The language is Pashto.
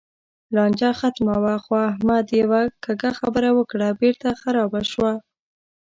لانجه ختمه وه؛ خو احمد یوه کږه خبره وکړه، بېرته خرابه شوه.